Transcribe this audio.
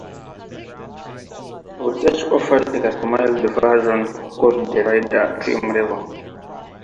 Autech offered a customized version called the "Rider" trim level.